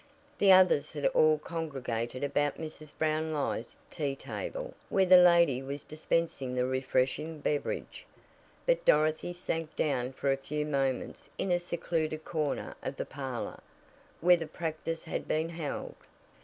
The others had all congregated about Mrs. Brownlie's tea table, where that lady was dispensing the refreshing beverage, but Dorothy sank down for a few moments in a secluded corner of the parlor where the practice had been held.